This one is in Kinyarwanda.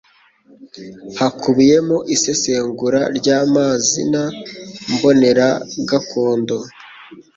Hakubiyemo isesengura ry'amazina mbonera gakondo,